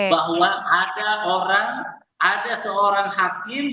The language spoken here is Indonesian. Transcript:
bahwa ada seorang hakim